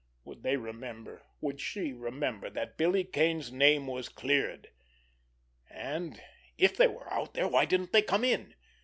Would they remember, would she remember that Billy Kane's name was cleared? And if they were out there, why didn't they come in?